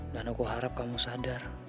dan aku harap kamu sadar